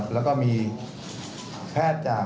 แล้วก็มีแพทย์จาก